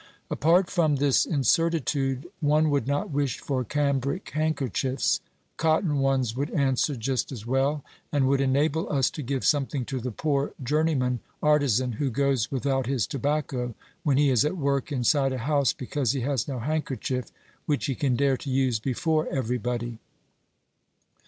OBERMANN 283 Apart from this incertitude, one would not wish for cambric handkerchiefs ; cotton ones would answer just as well, and would enable us to give something to the poor journeyman artizan who goes without his tobacco when he is at work inside a house because he has no handkerchief which he can dare to use before everybody.